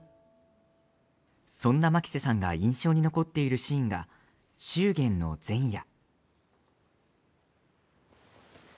そんな牧瀬さんが印象に残っているシーンが祝言の前夜。